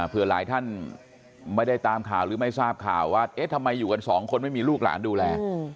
เพื่อหลายท่านไม่ได้ตามข่าวหรือไม่ทราบข่าวว่าเอ๊ะทำไมอยู่กันสองคนไม่มีลูกหลานดูแล